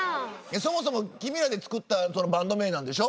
そもそも君らで作ったそのバンド名なんでしょ？